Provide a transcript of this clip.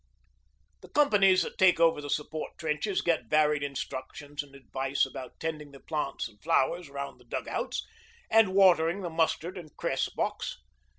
The companies that 'take over' the support trenches get varied instructions and advice about tending the plants and flowers round the dugouts, and watering the mustard and cress box.